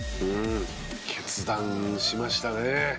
「うん。決断しましたね」